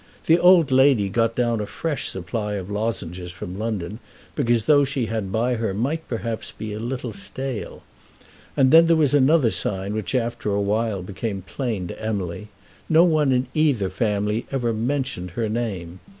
The old lady got down a fresh supply of the lozenges from London because those she had by her might perhaps be a little stale. And then there was another sign which after a while became plain to Emily. No one in either family ever mentioned her name.